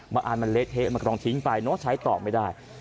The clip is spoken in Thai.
บางอันมันเล็กเทะมันกำลังทิ้งไปใช้ต่อไม่ได้